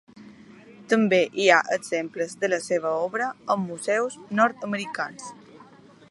També hi ha exemples de la seva obra en museus nord-americans.